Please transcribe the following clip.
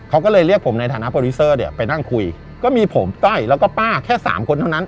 เขาก็เลยเรียกผมในฐานะโปรดิวเซอร์เนี่ยไปนั่งคุยก็มีผมต้อยแล้วก็ป้าแค่สามคนเท่านั้น